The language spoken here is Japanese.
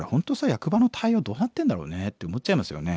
役場の対応どうなってんだろうねって思っちゃいますよね。